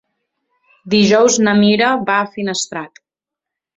Dijous na Mira va a Finestrat.